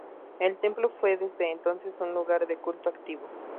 El templo fue desde entonces un lugar de culto activo.